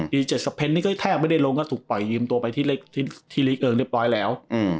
๗สะเพนนี่ก็แทบไม่ได้ลงก็ถูกปล่อยยืมตัวไปที่ลีกเอิงเรียบร้อยแล้ว